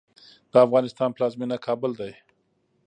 د افغانستان پلازمېنه کابل ده.